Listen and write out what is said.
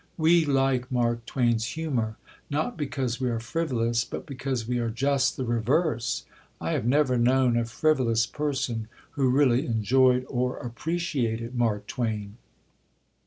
We like Mark Twain's humour, not because we are frivolous, but because we are just the reverse. I have never known a frivolous person who really enjoyed or appreciated Mark Twain.